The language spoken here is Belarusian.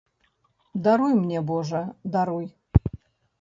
Даруй мне, божа, даруй!